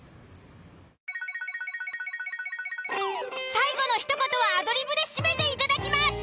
最後の一言はアドリブで締めていただきます。